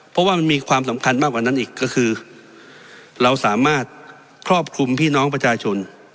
เพราะว่ามันมีความสำคัญมากกว่านั้นอีกก็คือเราสามารถครอบคลุมพี่น้องประชาชน